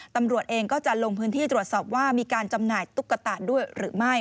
ตำรวจเองก็จะลงพื้นที่ตรวจสอบว่ามีการจำหน่ายตุ๊กตาด้วยหรือไม่